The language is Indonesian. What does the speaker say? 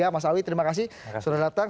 mas awi terima kasih sudah datang